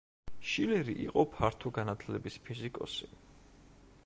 შილერი იყო ფართო განათლების ფიზიკოსი.